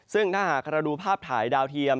ซึ่งถ้าหากเราดูภาพถ่ายดาวเทียม